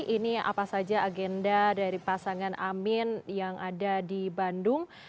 ini apa saja agenda dari pasangan amin yang ada di bandung